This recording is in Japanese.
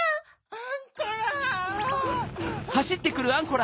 ・アンコラ！